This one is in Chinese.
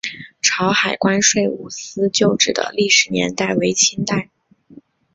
潮海关税务司旧址的历史年代为清代。